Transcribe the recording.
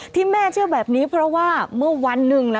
ที่แม่เชื่อแบบนี้เพราะว่าเมื่อวันหนึ่ง